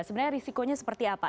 sebenarnya risikonya seperti apa